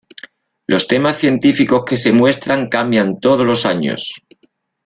Los temas científicos que se muestran cambian todos los años.